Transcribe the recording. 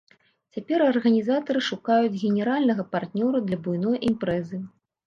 Цяпер арганізатары шукаюць генеральнага партнёра для буйной імпрэзы.